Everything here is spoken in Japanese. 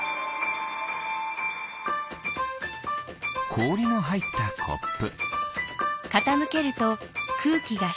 こおりのはいったコップ。